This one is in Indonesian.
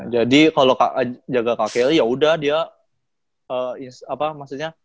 jadi kalau jaga kak kelly yaudah dia apa maksudnya